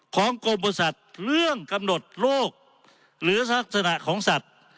ของกรมบริษัทเรื่องกำหนดโลกหรือลักษณะของสัตว์